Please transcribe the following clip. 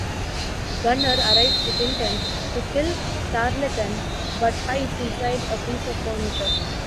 Gunner arrives with intent to kill Tarleton but hides inside a piece of furniture.